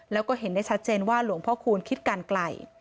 แล้วก็เห็นได้ชัดเจนว่าหลวงพ่อคูณคิดการไกล